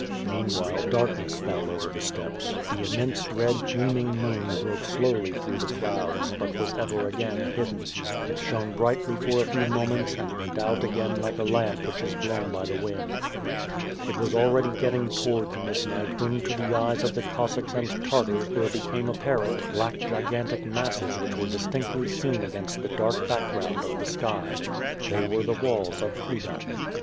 Meanwhile, darkness fell over the steppes; the immense, red, gleaming moon broke slowly through the clouds, but w^as ever again hidden; it shone brightly for a few moments and went out again like a lamp which is blown by the wind. It was already getting towards midnight when to the eyes of the Cossacks and Tartars there became apparent black gigantic masses which were distinctly seen against the dark background of the sky. They were the walls of Kudak.